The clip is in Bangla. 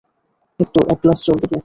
একটু এক গ্লাস জল দেবে?